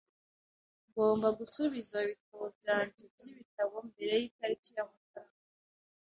Ngomba gusubiza ibitabo byanjye byibitabo mbere yitariki ya Mutarama.